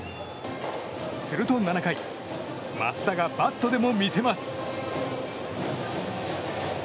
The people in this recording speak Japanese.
すると７回、増田がバットでも見せます。